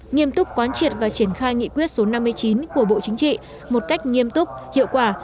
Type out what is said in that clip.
nghiêm túc quán triệt và triển khai nghị quyết số năm mươi chín của bộ chính trị một cách nghiêm túc hiệu quả